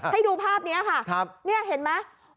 ให้ดูภาพนี้ค่ะนี่เห็นไหม